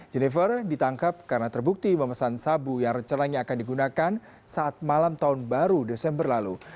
jennifer ditangkap karena terbukti memesan sabu yang rencananya akan digunakan saat malam tahun baru desember lalu